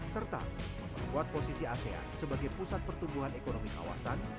serta memperkuat posisi asean sebagai pusat pertumbuhan ekonomi kawasan